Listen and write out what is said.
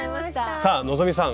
さあ希さん